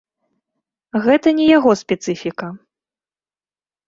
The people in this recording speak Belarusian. Гэта не яго спецыфіка.